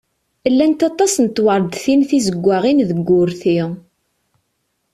Llant waṭas n tewreḍtin tizeggaɣin deg wurti.